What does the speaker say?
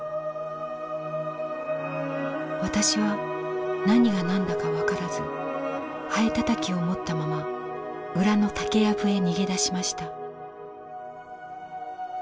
私は何が何だか分からずハエたたきを持ったまま裏の竹やぶへ逃げ出しました。